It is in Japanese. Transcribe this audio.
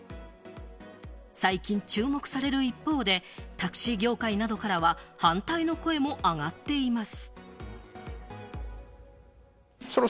最近注目される一方で、タクシー業界などからは反対の声も上がっています。